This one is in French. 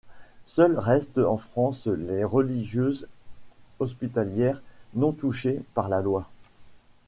Seules restent en France les religieuses hospitalières non touchées par la loi.